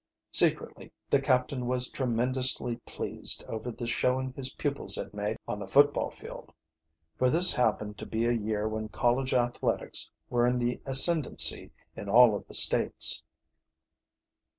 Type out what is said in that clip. Secretly the captain was tremendously pleased over the showing his pupils had made on the football field, for this happened to be a year when college athletics were in the ascendancy in all of the States.